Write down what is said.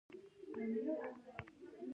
تا خو ویل چې زه ستا سره ډېره مینه لرم